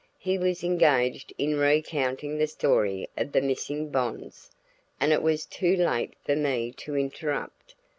He was engaged in recounting the story of the missing bonds, and it was too late for me to interrupt.